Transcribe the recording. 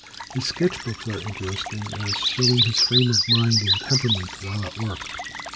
His sketch books are interesting as showing his frame of mind and temperament, while at work.